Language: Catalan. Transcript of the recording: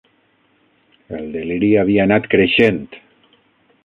El deliri havia anat creixent